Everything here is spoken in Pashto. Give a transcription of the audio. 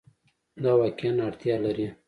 دا واقعیا اړتیا لري